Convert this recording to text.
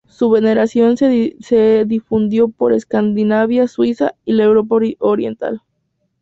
Su veneración se difundió por Escandinavia, Suiza y la Europa Oriental.